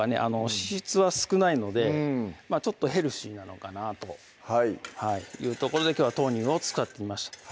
脂質は少ないのでうんちょっとヘルシーなのかなというところできょうは豆乳を使ってみました